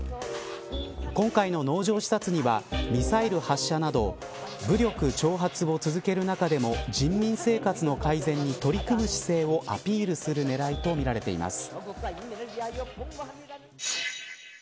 今回の農場視察にはミサイル発射など武力挑発を続ける中でも人民生活の改善に取り組む姿勢をアピールする狙いとみられています。